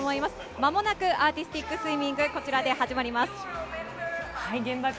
まもなくアーティスティックスイミング、始まります。